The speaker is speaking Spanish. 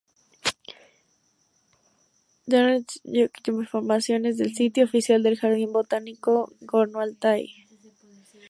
Информация с официального сайта Горно-Алтайского ботанического сада-Informaciones del sitio oficial del Jardín Botánico Gorno-Altai